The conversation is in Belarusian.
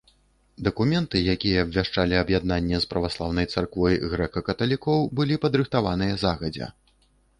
Дакументы, якія абвяшчалі аб'яднанне з праваслаўнай царквой грэка-каталікоў былі падрыхтаваныя загадзя.